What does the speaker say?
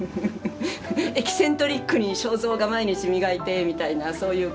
エキセントリックに肖像画毎日磨いてみたいなそういう